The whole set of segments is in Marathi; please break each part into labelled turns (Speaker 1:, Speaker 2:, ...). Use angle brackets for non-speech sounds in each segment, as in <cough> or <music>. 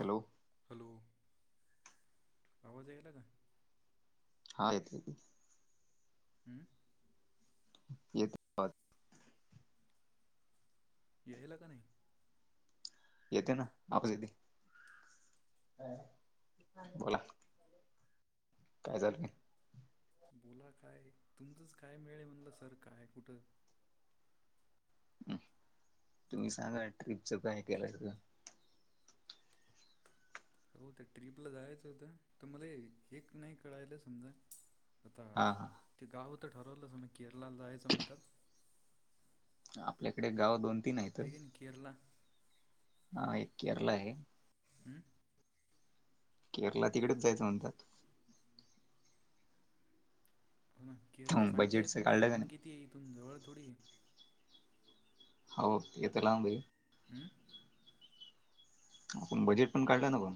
Speaker 1: हॅलो
Speaker 2: हॅलो आवाज यायला का
Speaker 1: हा येतोय
Speaker 2: हम्म
Speaker 1: येतोय आवाज.
Speaker 2: यायला का नाही
Speaker 1: येते ना आवाज येते बोला काय चाललंय
Speaker 2: बोला काय तुमचंच काय मेळ आहे म्हणलं सर काय कुठं.
Speaker 1: तुम्ही सांगा ट्रिपच काय केलंय तर
Speaker 2: हो त्या ट्रिपला जायचं होतं तर मला एक नाही कळायला समजा आता
Speaker 1: हा हा
Speaker 2: ते गाव तर ठरवलंस मग केरलाला जायचं म्हणतात.
Speaker 1: आपल्याकडे गाव दोन तीन आहेत
Speaker 2: हे आणि केरला
Speaker 1: हा एक केरळ आहे
Speaker 2: हम्म
Speaker 1: केरला तिकडेच जायचं म्हणतात
Speaker 2: हो ना केरळ चांगलं आहे
Speaker 1: बजेटच
Speaker 2: पण ते
Speaker 1: काढलं का
Speaker 2: लांब
Speaker 1: नाही
Speaker 2: किती आहे इथून जवळ थोडी आहे
Speaker 1: हो तेतर लांब आहे
Speaker 2: हम्म
Speaker 1: आपण बजेट पण काढलं ना पण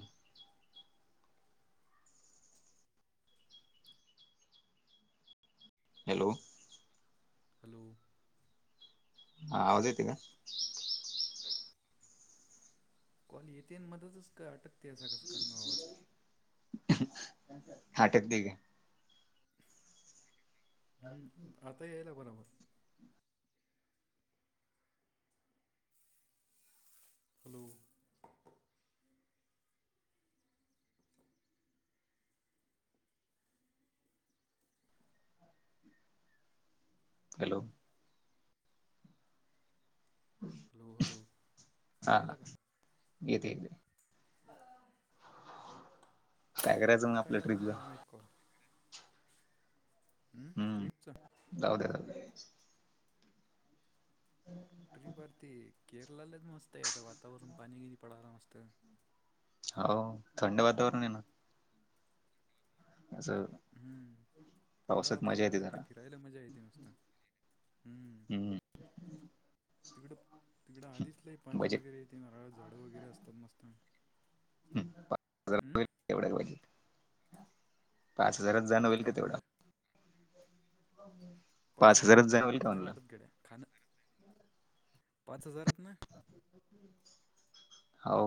Speaker 1: हॅलो
Speaker 2: हॅलो
Speaker 1: हा आवाज येती ना
Speaker 2: कॉल येते मध्येतच का अटकते असा कस काय आवाजाचा
Speaker 1: हा आटकते का
Speaker 2: हम् आता यायला मला हॅलो
Speaker 1: हॅलो
Speaker 2: हॅलो हॅलो
Speaker 1: हा
Speaker 2: यायला का
Speaker 1: <unintelligible> काय करायचं मग आपल्या
Speaker 2: अटकायला काहून
Speaker 1: ट्रीपला
Speaker 2: काय माहीत कॉल हम्म ट्रिपच
Speaker 1: जाऊ द्या जाऊ द्या
Speaker 2: ट्रीपवरती केरलाच मस्त आहे आता वातावरण पाणी बिणी पडायला मस्त
Speaker 1: हो थंड वातावरण आहे ना असं
Speaker 2: हम्म थंड
Speaker 1: पावसात मजा येते
Speaker 2: वातावरणात तर
Speaker 1: जरा
Speaker 2: फिरायला मजा येते नुसता
Speaker 1: हम्म
Speaker 2: तिकडं तिकडं आधीच लई पाणी
Speaker 1: बजेट
Speaker 2: वगैरे ते नारळाचं झाडं वगैरे असतात मस्त हम्
Speaker 1: तेवढंच पाहिजे पाच हजारत जाणं होईल का
Speaker 2: काय
Speaker 1: तेवढा
Speaker 2: म्हणला
Speaker 1: हो
Speaker 2: पाच हजारात का मला नाही वाटत गड्या खाणं पाच हजारात नाही
Speaker 1: हो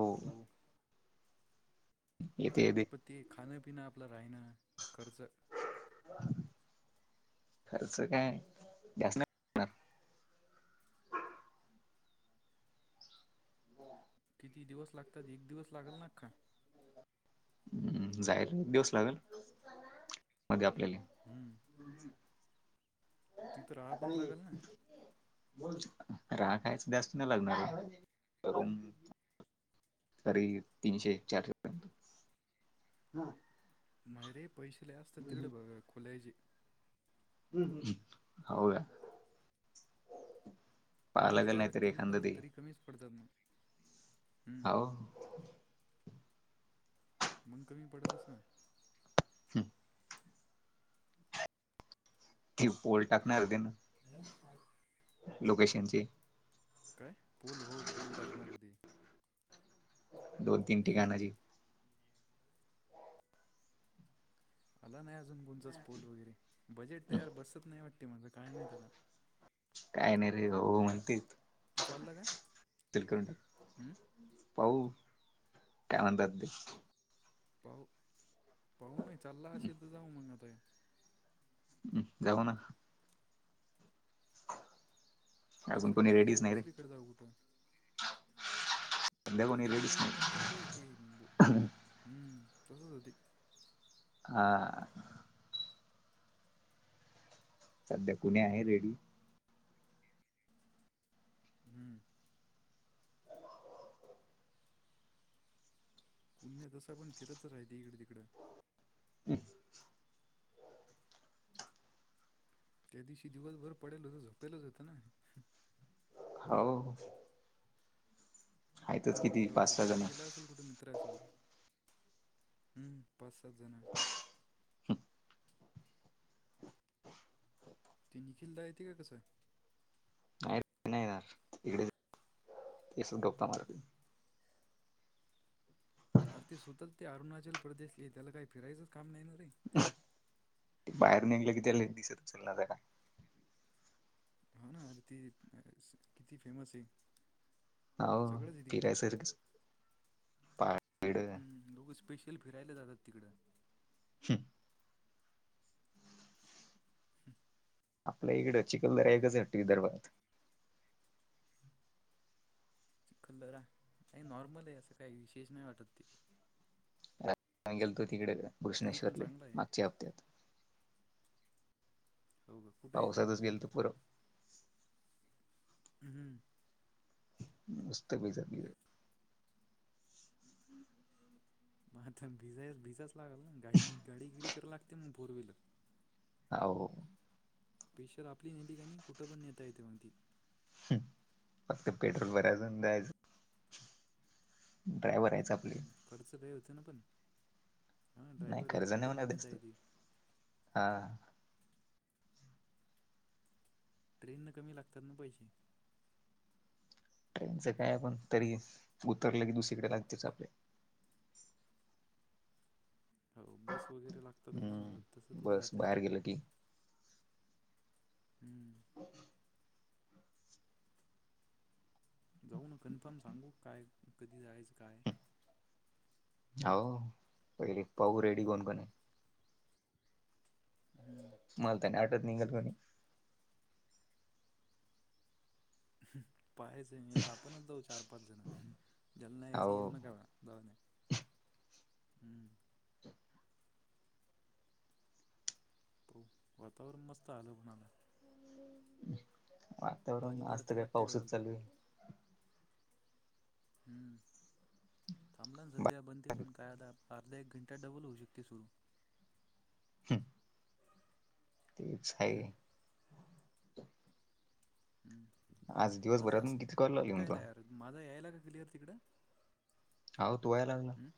Speaker 1: येते येते
Speaker 2: पण ते खाणपिनं आपलं राहणं खर्च.
Speaker 1: खर्च काय जास्त नाही होणार
Speaker 2: किती दिवस लागतात एक दिवस लागेल ना आख्खा
Speaker 1: हम्म जायला एक दिवस लागेल मध्ये आ केले
Speaker 2: हम्म तिथं राहा
Speaker 1: आताण
Speaker 2: पण लागल ना
Speaker 1: ब राखायच जास्त नाही लागणार आहे सरी तीनशे चारशे पर्यंत
Speaker 2: माय रे पैसे ल असतात तिकडे बघ खोलायचे
Speaker 1: ह् हो्या
Speaker 2: मिकच द्याय लागतील ना पण तरी कमीच पडतात मग हम्म
Speaker 1: हो
Speaker 2: मग कमी पडेलस ना
Speaker 1: हम् पोल टाकणारते ना लोकेशनचे
Speaker 2: काय पोल हो पोल टाकणार होती
Speaker 1: दोन तीन ठिकाणाची
Speaker 2: आला नाही अजून उुंचच पोल वगैरे बजेट तयार बसत नाही वाट ते म्हणज काय माहत आता
Speaker 1: काय नाही रे हो म्हणते
Speaker 2: तू चालला का हम्म
Speaker 1: पाऊ का म्हन दात दे
Speaker 2: पाह पाहू ना चालला असे तर जाऊ मग आताय
Speaker 1: हम् जऊ ना अजून
Speaker 2: दुसरं
Speaker 1: कोणी
Speaker 2: काय
Speaker 1: रेडीच
Speaker 2: असेल
Speaker 1: नाही रे
Speaker 2: दुसरी खड जा उघुठं
Speaker 1: सध्या कोणी
Speaker 2: रेडी को
Speaker 1: रेडीच नाही
Speaker 2: नसते रे ते ब हम्म तसच होती
Speaker 1: ह सध्या कुणी आहे रेडी
Speaker 2: हम्म कुनण्यात तसं पण फिरत राहते इकडे तिकडं
Speaker 1: हम्
Speaker 2: त्या दिवशी दिवसभर पडेल होत झोपेलच होतं ना
Speaker 1: हो आहेतच
Speaker 2: हम्
Speaker 1: किती
Speaker 2: मला
Speaker 1: पाच
Speaker 2: वाटलं
Speaker 1: सहा जण
Speaker 2: बाहेर गेला असेल कुठे मित्र सोबत हम्म पाच सात जण तु नि खिलता येत काय कसां
Speaker 1: नाही नाही इकडे ते गप्ता मार
Speaker 2: अर त सुतत ते अरुणाचल प्रदेश त्याला काही फिरायचंच काम नाही ना रे
Speaker 1: बाहेर निघलं कि त्या दिसतचलणार त्या का
Speaker 2: हा ना अर त किती फेमस आहे
Speaker 1: हो
Speaker 2: सगळंच आहे तिकडं
Speaker 1: प्ररास पा
Speaker 2: हम्म लोघं स्पेशल फिरायला जातात तिकडं हम्
Speaker 1: आपल्या इकड चिखलदरा एकच हट विदर्भात
Speaker 2: चिखल दरा का नॉर्मल आहे असं काही विशेष नाही वाटत ते
Speaker 1: म् गेलतो तिकडे
Speaker 2: तरी पण
Speaker 1: भूषणेश्वरले
Speaker 2: चांगलं आहे
Speaker 1: मागच्या हप्त्यात
Speaker 2: हो का कुठं आहे ते
Speaker 1: पावसातच गेल तर पुरं
Speaker 2: हम्म
Speaker 1: नस्त पच
Speaker 2: मग आता भिजा भिजाच लागल ना गाडी गाडीगिडी कर लागते मग फोर व्हीलर
Speaker 1: हो
Speaker 2: स्पेशर आपली नेटिकाणी कुठं पण नेता येते म्हणती
Speaker 1: फक्त पेट्रोल बऱ्या झा द्यायचं ड्रायव्हर आहेच आपले
Speaker 2: हम्म, खर्च लय होतं पण हां
Speaker 1: नाही
Speaker 2: ड्रायव्हर येतो
Speaker 1: कर्ज नाही
Speaker 2: कुठं पण
Speaker 1: होणार
Speaker 2: नेता
Speaker 1: दिसतो
Speaker 2: येते
Speaker 1: हा
Speaker 2: ट्रेन न कमी लागतात ना पैसे
Speaker 1: ट्रेनचं काय आपण तरी उतरलं की दुसरीकडे लागतेच आप <inaudible>
Speaker 2: हो बस वगैरे लागतातच ना मला तस
Speaker 1: हम्म
Speaker 2: थोडी
Speaker 1: बस
Speaker 2: जाता
Speaker 1: बाहेर
Speaker 2: येते
Speaker 1: गेलं की <inaudible>
Speaker 2: हम्म
Speaker 1: हो
Speaker 2: जाऊ ना कन्फर्म सांगू काय कधी जायचं काय
Speaker 1: हो पहिले पाहू रेडी कोण कोण
Speaker 2: हम्म
Speaker 1: मला तर नाही वाटत निघाल कोणी
Speaker 2: <inaudible> पाहायचं मी तर आपणच जाऊ चार, पाच जण त्याला न यायचे येऊ
Speaker 1: हो
Speaker 2: नका व जाऊन या. <inaudible> हम्म. <inaudible> हो वातावरण मस्त आलं म्हणालाय.
Speaker 1: वातावरण आज तर
Speaker 2: पडते
Speaker 1: काय
Speaker 2: वाटते
Speaker 1: पाऊसच
Speaker 2: डबल
Speaker 1: चालू आहे.
Speaker 2: हम्म, <inaudible> थांबला ना सध्या बनते पण काय अता अर्धा एक घंटा डबल होऊ शकते सुरू. <inaudible>
Speaker 1: हम. तेच आहे.
Speaker 2: हम्म
Speaker 1: आज
Speaker 2: आवाज
Speaker 1: दिवसभरात मग किती कॉल लावले म तु?
Speaker 2: दिलिया तिकडं
Speaker 1: आउट व्हाय लागला.
Speaker 2: हम्म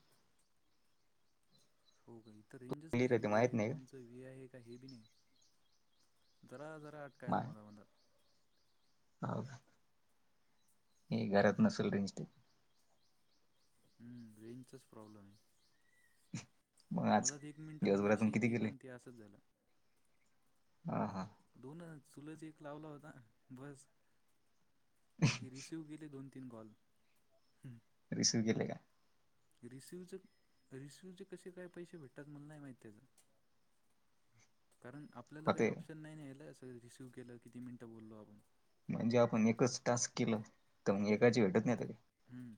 Speaker 2: हो ग आई इथं रेंजच
Speaker 1: क्लिअर
Speaker 2: नाही
Speaker 1: आहे ते
Speaker 2: व्ही
Speaker 1: माहित
Speaker 2: आय
Speaker 1: नाही का
Speaker 2: कोणच व्ही आय हे काय हे बि नाही. जरा जरा अटकायला मला म्हणतात.
Speaker 1: ह. मी घरात नसल रेंज तु.
Speaker 2: हम्म, रेंजचाच प्रॉब्लेम आहे.
Speaker 1: मग आज
Speaker 2: मला ते एक मिनटं
Speaker 1: दिवसभरातून
Speaker 2: मगाशी
Speaker 1: किती
Speaker 2: ते
Speaker 1: केले
Speaker 2: पण ते असंच झालं.
Speaker 1: हा, हा.
Speaker 2: चुलच एक लावला होता बस बाकी रिसिव केले दोन. तीन कॉल. <inaudible>
Speaker 1: रिसिव्ह केले का?
Speaker 2: रिसिवच रिसिवचे कसे काय पैसे भेटतात? मला नाही माहित त्याच.
Speaker 1: <inaudible>
Speaker 2: कारण आपल्याला काही
Speaker 1: होते
Speaker 2: ऑप्शन नाही ना ह्याला सरळ रिसीव्ह केलं किती मिनिटं बोललो आपण
Speaker 1: म्हणजे आपण एकच टास्क केलं तर मग एकाची भेटत नाही काय?
Speaker 2: ह.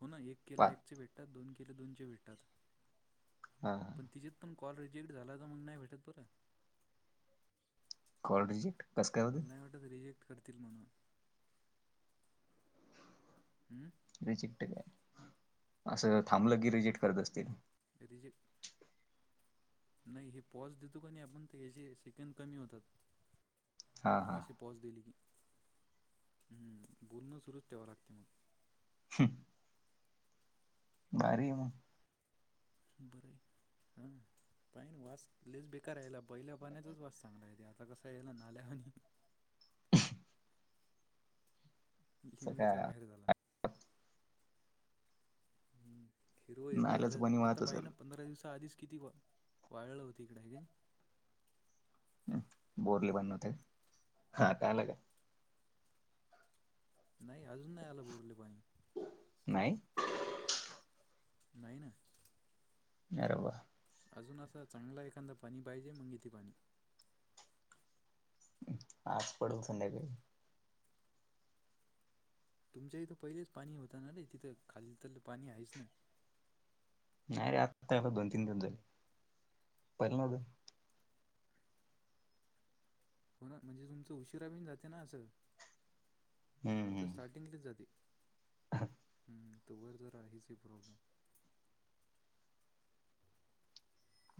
Speaker 2: हो ना एक केला
Speaker 1: पाच
Speaker 2: एकचे भेटतात. दोन केले दोन चे भेटतात
Speaker 1: हा
Speaker 2: <inaudible> पण तिचेत पण कॉल रिजेक्ट झाला का मग नाही भेटत बरं.
Speaker 1: कॉल रिजेक्ट कसं काय होतो?
Speaker 2: मला नाही वाटत रिजेक्ट करतील म्हणून. <inaudible> हम्म.
Speaker 1: रिजेक्ट काय असं थांबलं की रिजेक्ट करत असतील
Speaker 2: रिजेक्ट. नाही हे पॉज देतो का नाही आपण याचे सेकंद कमी होतात.
Speaker 1: हा हा
Speaker 2: अशी पॉज दिली की. हम्म, बोलणं सुरूच ठेवाव लागते मग.
Speaker 1: <inaudible> भारी मग.
Speaker 2: बर ऐक हा पायना वास लईच बेकार रायला. पहिल्या पाण्याचाच वास चांगला आहे ते आता कस याला नाल्या आणि
Speaker 1: असं
Speaker 2: लिमिडच्या
Speaker 1: काय
Speaker 2: बाहेर झाला. <inaudible> हिरव-हिरव
Speaker 1: नालाच
Speaker 2: झालं
Speaker 1: पाणी
Speaker 2: आता
Speaker 1: वाहत
Speaker 2: पाहि
Speaker 1: असेल
Speaker 2: ना पंधरा दिवसा आधीच किती वा वाळलं होत इकडे आहे का हे?
Speaker 1: बोरले बनवते हा कळाल काय?
Speaker 2: नाही अजून नाही आला बोरला पाणी.
Speaker 1: नाही?
Speaker 2: नाही ना.
Speaker 1: अरे वा!
Speaker 2: अजून असा चांगला एखादा पाणी पाहिजे मंग येते पाणी.
Speaker 1: आज पडलं संध्याकाळी
Speaker 2: तुमच्या इथं पहिलेच पाणी होत ना रे तिथं खालील तरलं पाणी आहेच ना
Speaker 1: नाही रे आता दोन तीन दिवस झाले पाणी नाही
Speaker 2: हो ना म्हणजे तुमचा उशिरा बीण जाते ना असं आमचं स्टार्टिंग ला जाते
Speaker 1: हा
Speaker 2: तोवर जर आहेच प्रॉब्लेम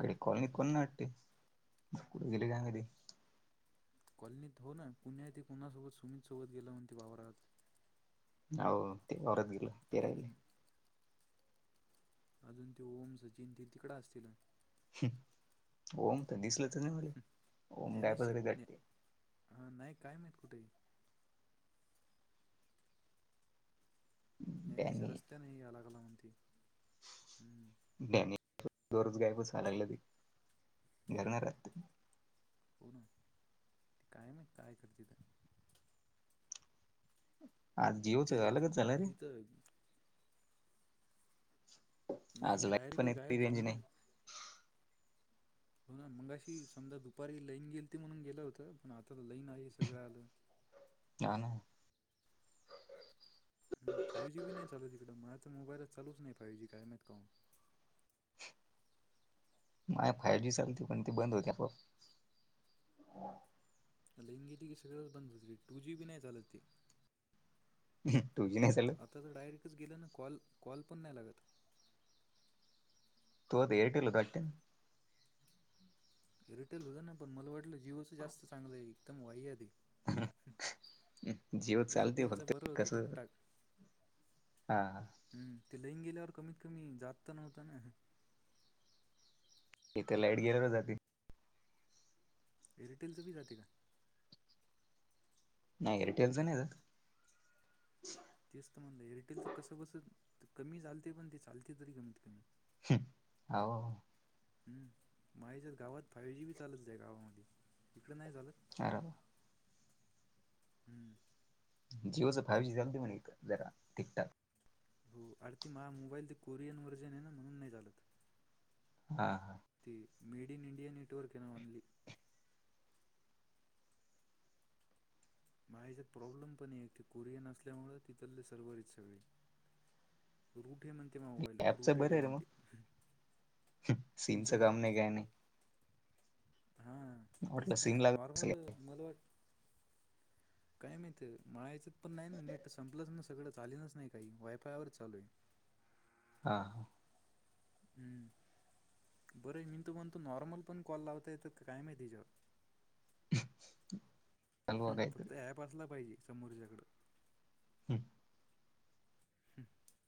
Speaker 1: घडे कॉलनीतकोण नाही वाटते कुठं गेले काय माहिती?
Speaker 2: कॉलनीत हो ना पुण्या येथे सुमित सोबत गेले म्हणते वावरात
Speaker 1: हो ते हो
Speaker 2: अजून अजून ते ओम, सचिन ते तिकड असतील,
Speaker 1: ओम तर दिसलेच नाही मला ओम गायब
Speaker 2: ज्ञानेश
Speaker 1: झाल
Speaker 2: ज्ञा हा नाही काय माहित कुठे गेली? त्या दिवशी
Speaker 1: डॅनी
Speaker 2: रस्त्याने यायला लागली म्हणती
Speaker 1: <unintelligible> दररोज गायबच व्हायला लागली ती यायला लागली ना घरात
Speaker 2: हो ना काय माहित काय करते?
Speaker 1: हा जिओच
Speaker 2: ते
Speaker 1: अलगच झालं रे
Speaker 2: इथं नाही
Speaker 1: आज
Speaker 2: ना
Speaker 1: लाईट पण
Speaker 2: डायरेक्टच
Speaker 1: येत
Speaker 2: गायब
Speaker 1: रेंज
Speaker 2: झालं
Speaker 1: नाही
Speaker 2: ना हो ना मगाशी समजा दुपारी लईन गेली त म्हणून गेलं होत पण आता तर लईन आहे सगळ्या आलं
Speaker 1: हा ना
Speaker 2: हम फाईव्ह जीबी नाही चालत तिकडं मोबाईल चालूच नाही पाहिजे कायम का
Speaker 1: माय फायव जी चालते पण ते बंद होते आपोआप
Speaker 2: <unintelligible> की सगळच बंद हो टू जी बी नाही चालत त
Speaker 1: तुझी नसेल
Speaker 2: केला ना कॉल पण नाही लागत
Speaker 1: तू आ ते एअरटेल <unintelligible>
Speaker 2: एअरटेल होत ना पण मला वाटलं जिओचं जास्त चांगलंय एकदम वाईट
Speaker 1: जिओ चालते
Speaker 2: एअरटेलचं
Speaker 1: फक्त
Speaker 2: बरं होतं
Speaker 1: कसं
Speaker 2: ठीकठाक
Speaker 1: हा
Speaker 2: रिंग केल्यावर कमीत कमी जात तर नव्हतं ना
Speaker 1: ईथे लाईट गेलेला जाते
Speaker 2: एअरटेलच बी जाते का?
Speaker 1: नाही एअरटेलच नाही जात
Speaker 2: तेच तर म्हणलं एअरटेल तर कस कस कमी चालते पण ते चालते तरी कमीत कमी
Speaker 1: <unintelligible> हांऊ
Speaker 2: हम् माझ गावात फायव जी बी चालत आहे गावामध्ये इकड नाही चालू
Speaker 1: बरोबर,
Speaker 2: हम्म,
Speaker 1: जीओच फायजी चालते जरा म्हणाव ठीक ठाक
Speaker 2: आयथींक माझा मोबाईल ते कोरियन वर्जन आहे ना म्हणून नाही चालत.
Speaker 1: हा, हा,
Speaker 2: ते मेड इन इंडिया नेटवर्क ये ना ओनली, मग ह्याच्यात प्रॉब्लेम पण य,, कोरियन असल्यामुळे तिथले सर्वरच सगळे,, <unintelligible> मोबाईल
Speaker 1: ऍपच
Speaker 2: रूटेड
Speaker 1: बर
Speaker 2: आहे
Speaker 1: रे मग,,
Speaker 2: म्हणते
Speaker 1: सिमच
Speaker 2: कोणच्यावाले
Speaker 1: काम नाही काय नाही.
Speaker 2: हा तेच
Speaker 1: वाटलं
Speaker 2: ना
Speaker 1: सिम
Speaker 2: नाही र
Speaker 1: लागत असेल
Speaker 2: नॉर्मल,, मला वाट काय माहित, म्हळायचं पण नाही ना, नेट संपलंच नस सगळं चालीनाच नाही काही,, वायफायवरच चालू आहे
Speaker 1: हा
Speaker 2: हम्म
Speaker 1: <inaudible>
Speaker 2: बरं मी तं म्हणतो नॉर्मल पण कॉल लावता येत काय माहिती एच्याव
Speaker 1: <inaudible>
Speaker 2: ह
Speaker 1: आहे काहीतरी
Speaker 2: फक्त ॲप असला पाहिजे समोरच्याकडं.
Speaker 1: हम्म